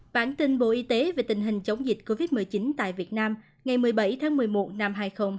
bản tin bộ y tế về tình hình chống dịch covid một mươi chín tại việt nam ngày một mươi bảy tháng một mươi một năm hai nghìn hai mươi